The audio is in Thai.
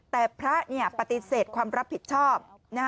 แต่พระปฏิเสธความรับผิดชอบ